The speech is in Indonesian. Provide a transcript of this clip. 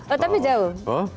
oh tapi jauh